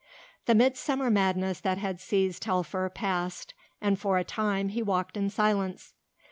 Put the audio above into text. The midsummer madness that had seized Telfer passed and for a time he walked in silence.